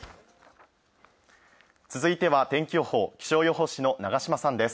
続いては天気予報、気象予報士の長島さんです。